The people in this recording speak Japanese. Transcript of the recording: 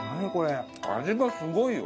味がすごいよ。